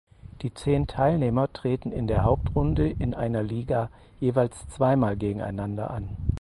Die zehn Teilnehmer treten in der Hauptrunde in einer Liga jeweils zweimal gegeneinander an.